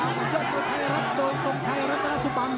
มันยกโดยไทยรัฐโดยทรงไทยรัฐราชสุปรรณ